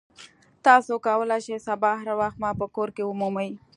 تاسو کولی شئ سبا هر وخت ما په کور کې ومومئ